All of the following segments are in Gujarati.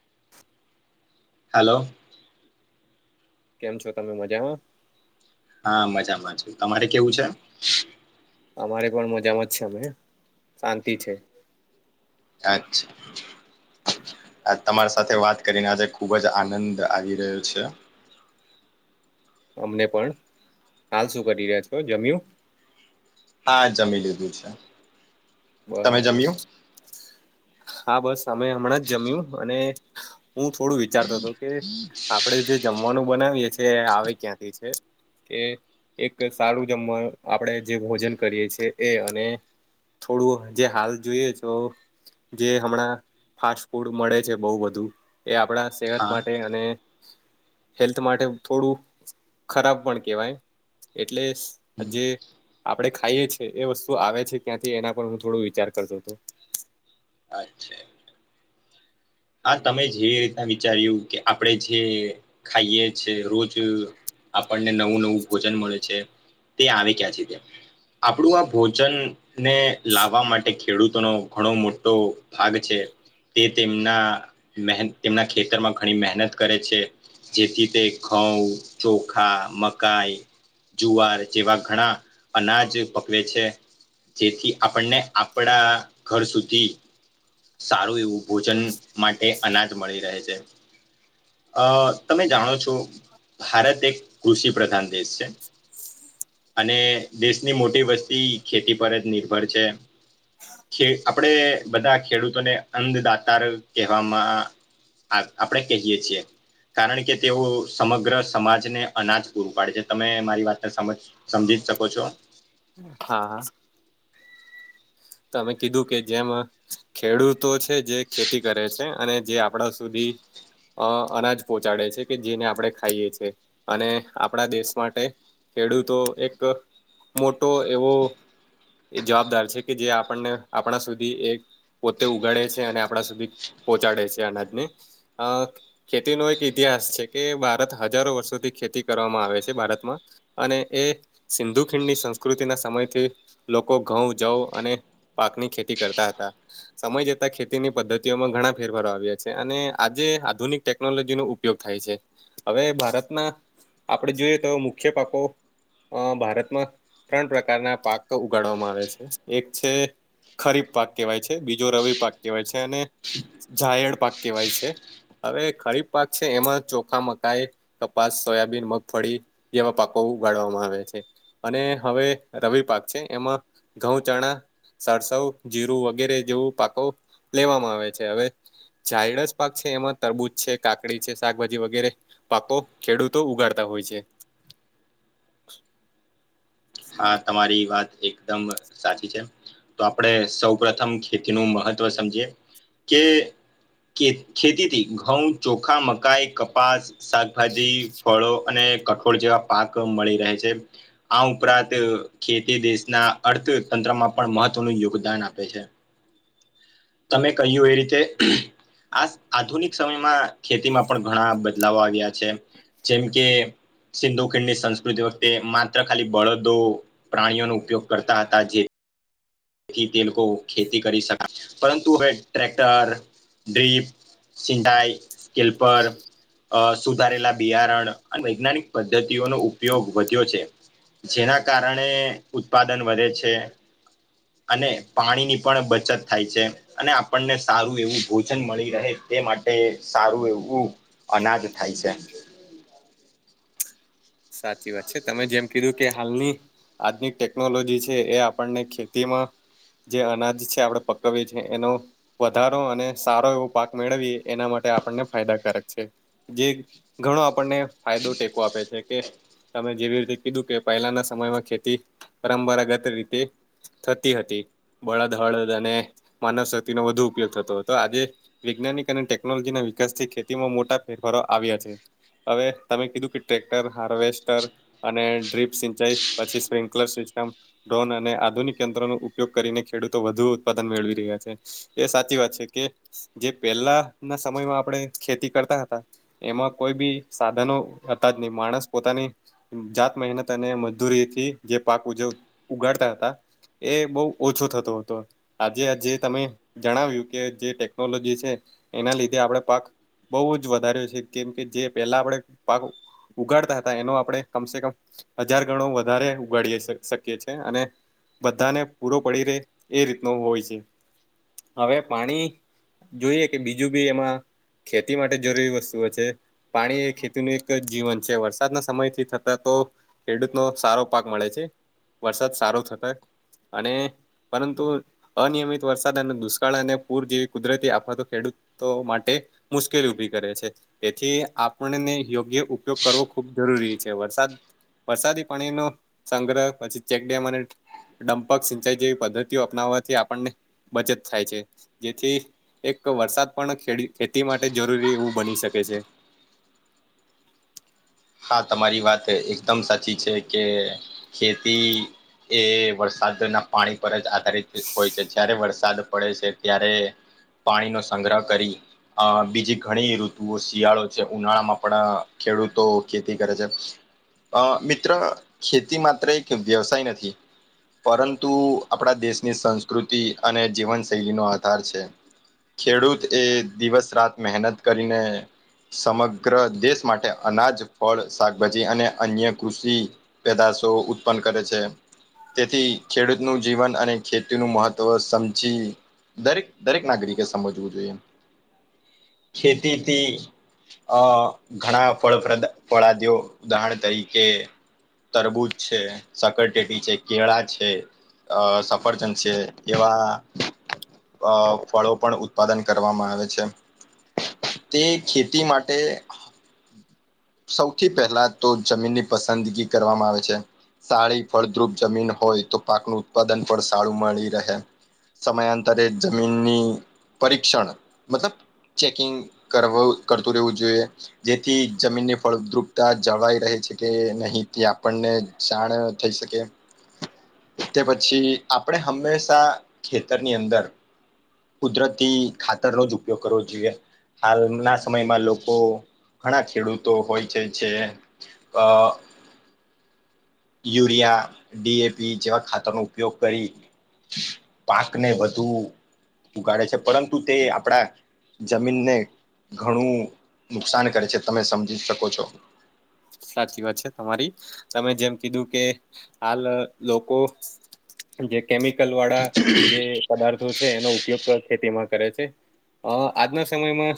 [inaudible] હાલો. કેમ છો તમે મજામાં? હા મજામાં છે, તમારે કેવું છે? અમારે પણ મજામાં જ છે, અમે શાંતિ છે. અચ્છા. તમાર સાથે વાત કરીને આજે ખૂબ જ આનંદ આવી રહ્યો છે. અમને પણ હાલ શું કરી રહ્યા છો જમ્યું? હા જમી લીધું છે. તમે બરાબર જમ્યું હા બસ અમે અમણાં જ જમ્યું અને હું થોડું વિચારતો હતો કે આપડે જે જમવાનું બનાવીએ છે, એ આવે ક્યાંથી છે. કે એક સારું જમવા આપણે જે ભોજન કરીએ છે, એ અને થોડું જે હાલ જોઈએ છો જે હમણાં ફાસ્ટ ફૂડ મળે છે, બોઉ બધું એ આપણા સેહત હા માટે અને હેલ્થ માટે થોડું ખરાબ પણ કેવાય એટલે હમ, જે આપડે ખાઈએ છે, એ વસ્તુ આવે છે, ક્યાંથી એના પર હું થોડો વિચાર કરતો તો અચ્છા. હા તમે જે રીતના વિચાર્યું કે આપણે જે ખાઈએ છે, રોજ આપણને નવું નવું ભોજન મળે છે, તે આવે ક્યાંથી તે આપણું આ ભોજન ને લાવવા માટે ખેડૂતોનો ઘણો મોટો ભાગ છે, તે તેમના મેહ તેમના ખેતરમાં ઘણી મહેનત કરે છે. જેથી તે ઘઉં, ચોખા, મકાઈ જુવાર જેવા ઘણા અનાજ પકવે છે. જેથી આપણને આપણા ઘર સુધી સારું એવું ભોજન માટે અનાજ મળી રહે છે. અ તમે જાણો છો ભારત એક કૃષિ પ્રદાન દેશ છે. અને દેશની મોટી વસ્તી ખેતી પર જ નિર્ભર છે. આપણેે બધા ખેડૂતોને અંદદાતાર કહેવામાં આ આપડે કહીયે છીએ કારણ કે તેઓ સમગ્ર સમાજને અનાજ પૂરું પાડે છે, તમે મારી વાતને સમજ સમજી જ શકો છો. હા હા તમે કીધું કે જેમ ખેડૂતો છે, જે ખેતી કરે છે, અને જે આપડા સુધી અ અનાજ પહોંચાડે છે, કે જેને આપણે ખાઈએ છે, અને આપણા દેશ માટે ખેડૂતો એક ટો એવો જવાબદાર છે, કે જે આપણને આપણા સુધી એક પોતે ઉગાડે છે, અને આપણા સુધી પોહચાડે છે, અનાજને અ ખેતીનો એક ઇતિહાસ છે, કે ભારત હજારો વર્ષોથી ખેતી કરવામાં આવે છે, ભારતમાં અને એ સિંધુ ખીંણીની સં સ્કૃતિના સમયથી લોકો ઘઉં, જવ અને પાકની ખેતી કરતા હતા. સમય જતા ખેતીની પદ્ધતિઓમાં ઘણા ફેરફારો આવ્યા છે, અને આજે આધુનિક ટેકનોલોજીનો ઉ યોગ થાય છે, અવે ભારતના આપણે જોઈએ તો મુખ્ય પાકો અ ભારતમાં ત્રણ પ્રકારના પાક ઉગાડવામાં આવે છે, એક છે. ખરીફ પાક કેવાય છે, બીજો રવિ પાક કેવાય છે, અને ઝાયડ પાક કેવાય છે. અવે ખરીફ પાક છે, એમાં ચોખા, મકાઈ, કપાસ સોયાબીન, મગફળી જેમાં પાકો ઉગાડવામાં આવે છે, અને હવે રવિ પાક છે, એમાં ઘઉં, ચણા સરસવ જીરું વગેરે જેવું પાકો લેવામાં આવે છે, અવે ઝાયડસ પાક છે, એમાં તરબૂજ છે, કાકડી છે, શાકભાજી વગેરે પાકો ખેડૂતો ઉગાડતા હોય છે. હા તમારી વાત એકદમ સાચી છે, તો આપણે સૌ પ્રથમ ખેતીનું મહત્વ સમજીએ કે ખે ખેતીથી ઘઉં, ચોખા, મકાઈ, કપાસ શાકભાજી, ફળો અને કઠોળ જેવા પાક મળી રહે છે, આવ ઉપરાંત ખેતી દેશના અર્થતંત્રમાં પણ મહત્વનું યોગદાન આપે છે. તમે કહ્યું એ રીતે આ આધુનિક સમયમાં ખેતીમાં પણ ઘણા બદલાવો આવ્યા છે. જેમ કે સિંધુ ખીડની સંસ્કૃતિ વખતે માત્ર ખાલી બળદ દો પ્રાણીઓનો ઉપયોગ કરતા હતા જે થી તે લોકો ખેતી કરી શકાય પરંતુ હવે ટ્રેક્ટર ડ્રીપ સિંડાઈ સ્કેલ પર અ સુધારેલા બિયારણ અને વૈજ્ઞાનિક પદ્ધતિઓનો ઉપયોગ વધ્યો છે. જેના કારણે ઉત્પાદન વધે છે. અને પાણીની પણ બચત થાય છે. અને આપણને સારું એવું ભોજન મળી રહે તે માટે સારું એવું અનાજ થાય છે. સાચી વાત છે, તમે જેમ કીધું કે હાલની આજની ટેકનોલોજી છે, એ આપણને ખેતીમાં જે અનાજ છે, આપણે પકવીએ છે, એનો વધારો અને સારો એવો પાક મેળવી એના માટે આપણને ફાયદાકારક છે. જે ઘણો આપણને ફાયદો ટેકો આપે છે. કે તમે જેવી રીતે કીધું કે પહેલાના સમયમાં ખેતી પરંપરાગત રીતે થતી હતી બળદ હળદ અને માનવ શક્તિનો વધુ ઉપયોગ થતો હતો આજે વૈજ્ઞાનિક અને ટેકનોલોજીના વિકાસથી ખેતીમાં મોટા ફેરફારો આવ્યા છે. અવે તમે કીધું કે ટ્રે [unintelligible] હાવેસ્ટર અને ડ્રીપ સિંચાઈ પછી સ્લિકલર સિસ્ટમ ડોન અને આધુનિક યંત્રો નુ ઉપયોગ કરીને ખેડૂતો વધુ ઉત્પાદન મેળવી રહ્યા છે. એ સાચી વાત છે, કે જે પેલા ના સમયમાં આપણે ખેતી કરતા હતા એમાં કોઈ બી સાધનો હતા જ ની માણસ પોતાની જાત મહેનત અને મજદૂરીથી જે પાક ઉજવ ઉગાડતા હતા એ બો ઓછો થતો હતો. આજે જે તમે જણાવ્યું કે જે ટેકનોલોજી છે, એના લીધે આપડે પાક બોવ જ વધારે છે, કેમ કે જે પેલા આપડે પાક ઉગાડતા હતા એનો આપણે કમસે કમ હજાર ગણો વધારે ઉગાડીએ શ શકીએ છે, અને બધાને પૂરો પડી રે એ રીતનું હોય છે, હવે પાણી જોઈએ કે બીજું બી એમાં ખેતી માટે જરૂરી વસ્તુઓ છે, પાણી એ ખેતીને તેજ જીવન છે વરસાદના સમયથી થતા તો ખેડૂતનો સારો પાક મળે છે. વરસાદ સારો થતો અને પરંતુ અનિયમિત વરસાદ અને દુષ્કાળ અને પૂર જેવી કુદરતી આફતો ખેડૂતો માટે મુશ્કેલી ઉભી કરે છે તેથી આપણને યોગ જે ઉપયોગ કરવો ખૂબ જરૂરી છે વરસાદ વરસાદી પાણી નો સંગ્રહ પછી ચેકડેમ અને ડંપક સિંચાઈ જેવી પદ્ધતિઓ અપનાવવાથી આપણને બચત થાય છે જેથી એક વરસાદ પણ ખેડી-ખેતી માટે જરૂરી એવું બની શકે છે. હા, તમારી વાત એકદમ સાચી છે કે ખેતી એ વરસાદના પાણી પર જ આધારિત હોય છે. જ્યારે વરસાદ પડે છે ત્યારે પાણીનો સંગ્રહ કરી અહ બીજી ઘણી ઋતુઓ શિયાળો છે ઉનાળા માં આપડા ખેડૂતો ખેતી કરે છે. અહ મિત્ર ખેતી માત્ર એક વ્યવસાય નથી પરંતુ આપડા દેશની સંસ્કૃતિ અને જીવનશૈલીનો આધાર છે. ખેડૂત એ દિવસ રાત મહેનત કરીને સમગ્ર દેશ માટે અનાજ ફળ શાકભાજી અને અન્ય કૃષિ પેદાશો ઉત્પન્ન કરે છે. તેથી ખેડૂતનું જીવન અને ખેતીનું મહત્ત્વ સમજી દરેક દરેક નાગરિકે સમજવું જોઈએ. ખેતીથી અહ ઘણા ફળ પ્રદા પળા દ્યો ઉદાહરણ તરીકે તરબૂજ છે સકરટેટી છે કેળા છે અહ સફરજન છે એવા અહ ફળો પણ ઉત્પાદન કરવામાં આવે છે. તે ખેતી માટે સૌથી પહેલા તો જમીનની પસંદગી કરવામાં આવે છે. સાળી ફળદ્રુપ જમીન હોય તો પાકનું ઉત્પાદન પણ સાળું મળી રહે. સમયાંતરે જમીનની પરીક્ષણ મતલબ ચેકિંગ કરવું કરતું રહેવું જોઈએ જેથી જમીનની ફળદ્રુપતા જળવાઈ રહે છે કે નહીં તે આપણને જાણ થઈ શકે [inaudible] તે પછી આપડે હંમેશા ખેતરની અંદર કુદરતી ખાતરનો જ ઉપયોગ કરવો જોઈએ. હાલના સમયમાં લોકો ઘણા ખેડૂતો હોય છે જે અહ યુરિયા ડી એ પી જેવા ખાતરનો ઉપયોગ કરી પાકને વધુ ઉગાડે છે પરંતુ તે આપડા જમીનને ઘણું નુકસાન કરે છે તમે સમજી શકો છો. સાચી વાત છે તમારી તમે જેમ કીધું કે હાલ અહ લોકો જે કેમિકલ વાળા જે પદાર્થો છે એનો ઉપયોગ ખેતીમાં કરે છે. અહ આજના સમયમાં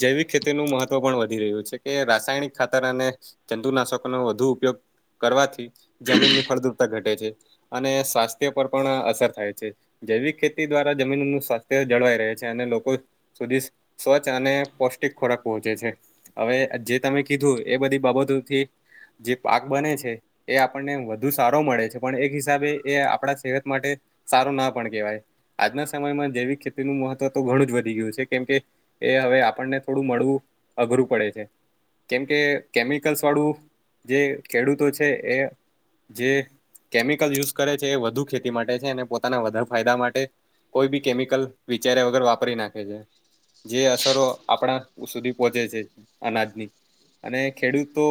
જૈવિક ખેતીનું મહત્વ પણ વધી રહ્યું છે કે રાસાયણિક ખાતર અને જંતુનાશકનો વધુ ઉપયોગ કરવાથી જમીન ની ફળદ્રળતા ઘટે છે. અને સ્વાસ્થ્ય પર પણ અહ અસર થાય છે. જૈવિક ખેતી દ્વારા જમીનનું સ્વાસ્થ્ય જળવાઈ રહે છે અને લોકો સુધી સ્વચ્છ અને પૌષ્ટિક ખોરાક પહોંચે છે હવે જે તમે કીધું એ બધી બાબતોથી જે પાક બને છે એ આપણને વધુ સારો મળે છે પણ એક હિસાબે એ આપણા સેહત માટે સારો ના પણ કેહેવાય આજના સમયમાં જૈવિક ખેતીનું મહત્વ તો ઘણું જ વધી ગયું છે કેમ કે એ હવે આપણને થોડું મળવું અઘરું પડે છે કેમકે કેમિકલ્સ વાળું જે ખેડૂતો છે એ જે કેમિકલ યુઝ કરે છે એ વધુ ખેતી માટે છે અને પોતાના વધારે ફાયદા માટે કોઈ બી કેમિકલ વિચાર્યા વગર વાપરી નાખે છે. જે અસરો આપણા સુધી પહોંચે છે અનાજની અને ખેડૂતો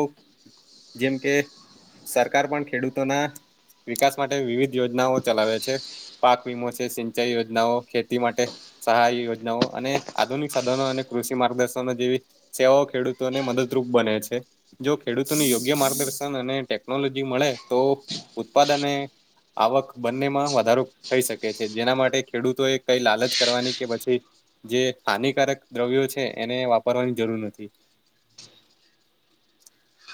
જેમ કે સરકાર પણ ખેડૂતોના વિકાસ માટે વિવિધ યોજનાઓ ચલાવે છે. પાક વીમો છે સિંચાઈ યોજનાઓ ખેતી માટે સહાય યોજનાઓ અને આધુનિક સાધનો અને કૃષિ માર્ગદર્શનો જેવી સેવાઓ ખેડૂતોને મદદરૂપ બને છે. જો ખેડૂતોને યોગ્ય માર્ગદર્શન અને ટેકનોલોજી મળે તો ઉત્પાદને આવક બંને માં વધારો થઈ શકે છે, જેના માટે ખેડૂતોએ કંઈ લાલચ કરવાની કે પછી જે હાનિકારક દ્રવ્યો છે, એને વાપરવાની જરૂર નથી.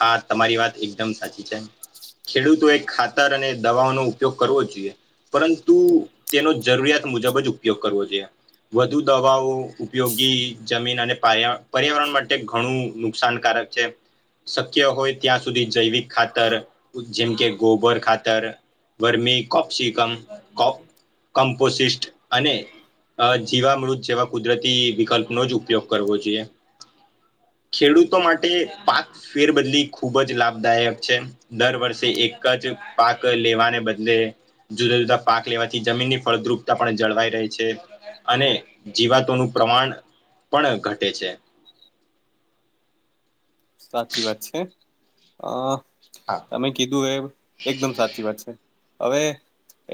હા તમારી વાત એકદમ સાચી છે. ખેડૂતોએ ખાતર અને દવાઓનો ઉપયોગ કરવો જ જોઈએ. પરંતુ તેનો જરૂરિયાત મુજબ જ ઉપયોગ કરવો જોઈએ. વધુ દવાઓ ઉપયોગી જમીન અને પાયા પર્યાવરણ માટે ઘણું નુકસાનકારક છે. શક્ય હોય ત્યાં સુધી જૈવિક ખાતર જેમ કે ગોબર ખાતર વર્મી કોપ્સિકમ કોમ્પોસિસ્ટ અને અ જીવામૃત જેવા કુદરતી વિકલ્પનો જ ઉપયોગ કરવો જોઈએ. ખેડૂતો માટે પાક ફેરબદલી ખુબ જ લાભદાયક છે. દર વર્ષે એક જ પાક લેવાને બદલે જુદા -જુદા પાક લેવાથી જમીનની ફળદ્રુપતા પણ જળવાઈ રહે છે. અને જીવાતોનું પ્રમાણ પણ ઘટે છે. સાચી વાત છે, અ તમે કીધું એ એકદમ સાચી વાત છે. હવે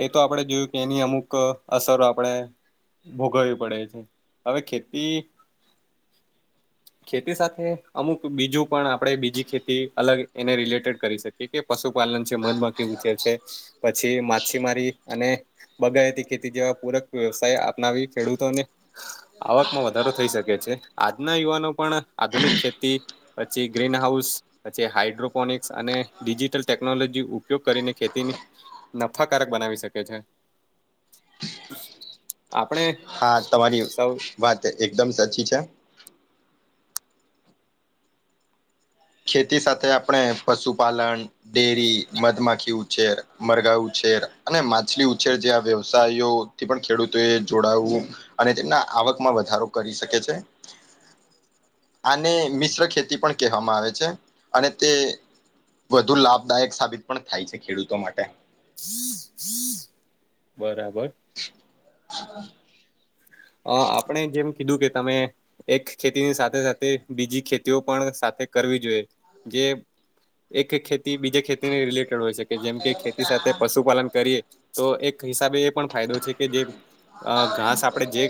એ તો આપણે જોયું કે એની અમુક અસરો આપણેે ભોગવવી પડે છે, હવે ખેતી ખેતી સાથે અમુક બીજું પણ આપણે બીજી ખેતી અલગ એને રિલેટેડ કરી શકીએ. કે પશુપાલન છે, મધમાખી ઉછેર છે, પછી માછીમારી અને બગાયતી ખેતી જેવા પૂરક વ્યવસાય અપનાવી ખેડૂતોને આવકમાં વધારો થઈ શકે છે, આજના યુવાનો પણ આધુનિક ખેતી પછી ગ્રીનહાઉસ પછી હાઇડ્રોપોનિક્સ અને ડિજિટલ ટેકનોલોજી ઉપયોગ કરીને ખેતીની નફાકારક બનાવી શકે છે. આપણે હા તમારી સૌ વાત એકદમ સાચી છે. ખેતી સાથે આપણે પશુપાલન ડેરી મધમાખી ઉછેર મરગા ઉછેર અને માછલી ઉછેર જેવા વ્યવસાયો થી પણ ખેડૂતોએ જોડાવું અને તેમના આવકમાં વધારો કરી શકે છે. [unintelligible] [inaudible] આને મિશ્ર ખેતી પણ કહેવામાં આવે છે અને તે વધુ લાભદાયક સાબિત પણ થાય છે ખેડૂતો માટે. બરાબર. હા. અહ આપણે જેમ કીધું કે તમે એક ખેતીની સાથે સાથે બીજી ખેતીઓ પણ સાથે કરવી જોઈએ જે એક ખેતી બીજે ખેતીને રિલેટેડ ટેડ હોય શકે જેમ કે ખેતી સાથે પશુપાલન કરીએ તો એક હિસાબે એ પણ ફાયદો છે, કે જે અહ ઘાસ આપડે જે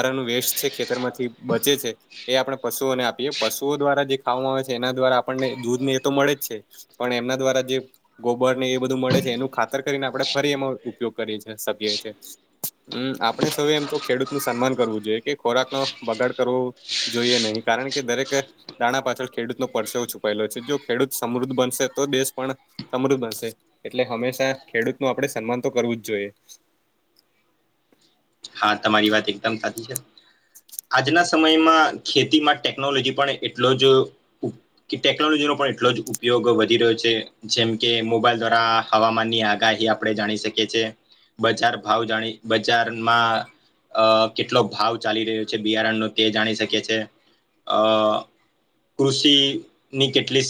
તેનું વેસ્ટ છે, ખેતરમાંથી બચે છે એ આપણે પશુઓને આપીએ પશુઓ દ્વારા જે ખાવામાં આવે છે, એના દ્વારા આપણને દૂધ ને એ તો મળે જ છે. પણ એમના દ્વારા જે ગોબરને એ બધું મળે છે, એનું ખાતર કરીને આપણે ફરી એમાં ઉપયોગ કરીએ છીએ સખીએ છીએ. હમ્મ, આપણે સૌ એમ તો ખેડૂતનું સન્માન કરવું જોઈએ, કે ખોરાક નો બગાડ કરવો જોઈએ નહીં કારણ કે દરેક એ દાણા પાછળ ખેડૂત નો પરસેવો છુપાયેલો છે. જો ખેડૂત સમૃદ્ધ બનશે તો દેશ પણ સમૃદ્ધ બનશે એટલે હંમેશા ખેડૂત નો આપડે સન્માન તો કરવું જ જોએ. હા, તમારી વાત એકદમ સાચી છે. આજના સમયમાં ખેતીમાં ટેકનોલોજી પણ એટલો જ ઉપ કે ટેકનોલોજીનો પણ એટલો જ ઉપયોગ વધી રહ્યો છે. જેમ કે મોબાઈલ દ્વારા હવામાનની આગાહી આપણે જાણી શકીએ છીએ. બચાર ભાવ જાણી બજાર માં અહ કેટલો ભાવ ચાલી રહ્યો છે બિયારણનો કે જાણી શકે છે. અહ કૃષિની કેટલી